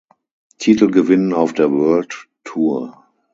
Titelgewinn auf der World Tour.